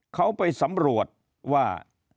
เขาไปสำรวจว่า